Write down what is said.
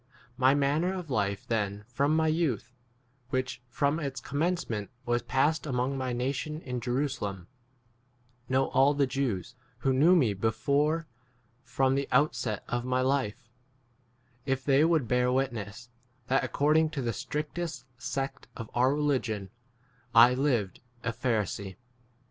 My manner of life then from my youth, which from its commencement was passed among my nation in Jeru 5 salem, know all the Jews, who knew me before from the outset [of my life], if they would bear witness, that according to the strictest sect of our religion I 6 lived a Pharisee.